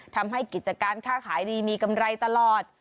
ทำให้กิจการค่าขายดีมีกำไรตลอด